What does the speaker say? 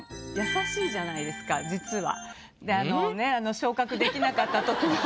実は。